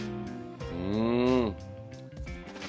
うん！